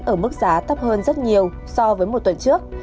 ở mức giá thấp hơn rất nhiều so với một tuần trước